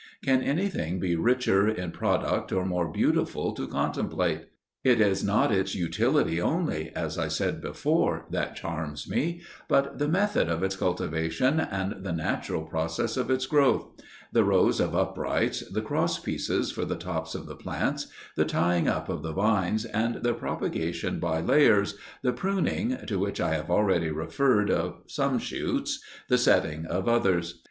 Can anything be richer in product or more beautiful to contemplate? It is not its utility only, as I said before, that charms me, but the method of its cultivation and the natural process of its growth: the rows of uprights, the cross pieces for the tops of the plants, the tying up of the vines and their propagation by layers, the pruning, to which I have already referred, of some shoots, the setting of others.